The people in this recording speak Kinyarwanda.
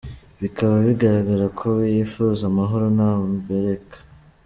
Bikaba bigaragara ko we yifuza amahoro nta mbereka.